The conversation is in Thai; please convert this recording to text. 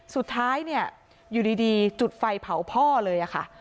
สุดท้ายเนี่ยอยู่ดีจุดไฟเผาพ่อเลยค่ะ